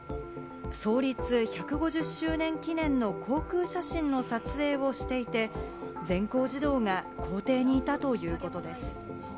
創立１５０周年記念の航空写真の撮影をしていて、全校児童が校庭にいたということです。